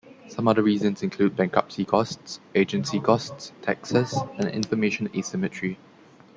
Some other reasons include bankruptcy costs, agency costs, taxes, and information asymmetry.